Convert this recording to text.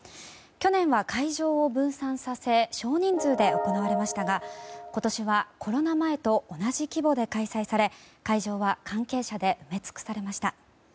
去年は会場を分散させ少人数で行われましたが今年はコロナ前と同じ規模で開催され会場は関係者で埋め尽くされました。